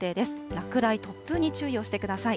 落雷、突風に注意をしてください。